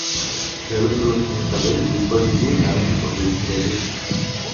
ஜெருசலத்தின் கதை இப்படியே நடந்து கொண்டிருக்கிறது.